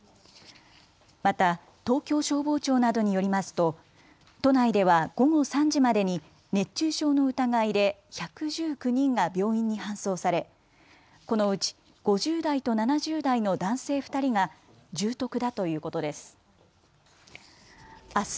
また東京消防庁などによりますと都内では午後３時までに熱中症の疑いで１１９人が病院に搬送されこのうち５０代と７０代の男性２人が重篤だということです。